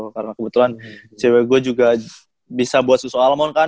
karena kebetulan cewek gue juga bisa buat susu almond kan